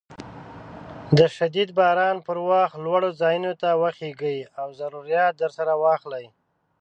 د شديد باران پر وخت لوړو ځايونو ته وخېژئ او ضروريات درسره واخلئ.